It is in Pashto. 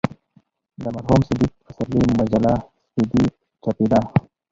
د مرحوم صدیق پسرلي مجله "سپېدې" چاپېده.